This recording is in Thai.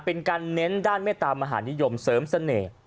เป็นการเน้นด้านเมตตามหานิยมเสริมเสน่ห์